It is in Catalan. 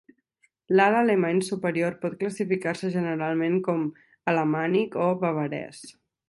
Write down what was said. L'alt alemany superior pot classificar-se generalment com alamànic o bavarès.